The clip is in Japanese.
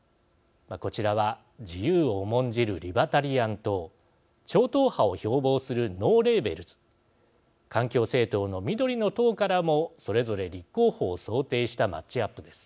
こちらは自由を重んじるリバタリアン党超党派を標ぼうするノーレーベルズ環境政党の緑の党からもそれぞれ立候補を想定したマッチアップです。